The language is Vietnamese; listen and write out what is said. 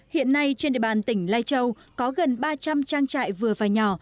hiện nay trên địa bàn tỉnh lai châu có gần ba trăm linh trang trại vừa và nhỏ